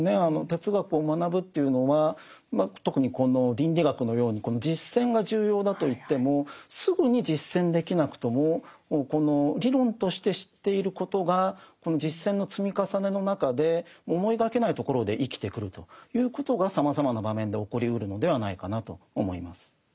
哲学を学ぶというのは特にこの倫理学のように実践が重要だといってもすぐに実践できなくともこの理論として知っていることがこの実践の積み重ねの中で思いがけないところで生きてくるということがさまざまな場面で起こりうるのではないかなと思います。